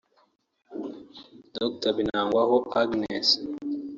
Dr Binagwaho Agnes